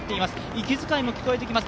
息遣いも聞こえてきます。